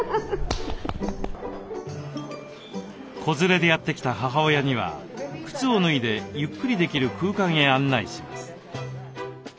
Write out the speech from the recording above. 子連れでやって来た母親には靴を脱いでゆっくりできる空間へ案内します。